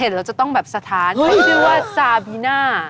เห็นแล้วจะต้องแบบสะท้านเขาชื่อว่าซาบิน่า